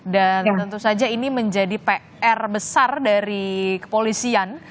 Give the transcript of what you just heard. dan tentu saja ini menjadi pr besar dari kepolisian